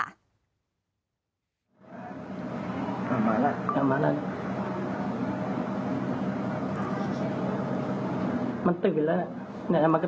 มันมาแล้วมันมาแล้ว